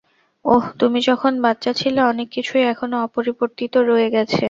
ওহ তুমি যখন বাচ্চা ছিলে, অনেক কিছুই এখনো অপরিবর্তিত রয়ে গেছে।